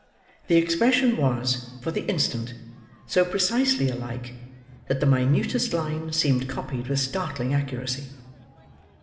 The expression was, for the instant, so precisely alike, that the minutest line seemed copied with startling accuracy!